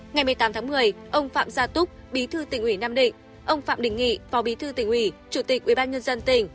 ngày một mươi tám tháng một mươi ông phạm gia túc bí thư tỉnh ủy nam định ông phạm đình nghị phó bí thư tỉnh ủy chủ tịch ubnd tỉnh